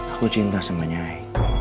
aku cinta sama nyai